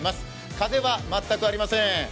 風は全くありません。